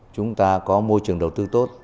chúng ta có môi trường đầu tư tốt